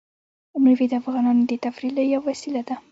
مېوې د افغانانو د تفریح یوه وسیله ده.